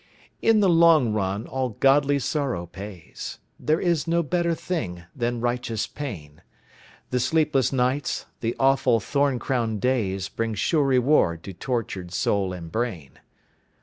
In the long run all godly sorrow pays, There is no better thing than righteous pain, The sleepless nights, the awful thorn crowned days, Bring sure reward to tortured soul and brain.